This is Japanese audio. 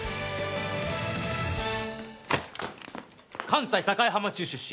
関西境浜中出身